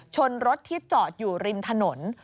ชนรถที่จอดอยู่ริมถนน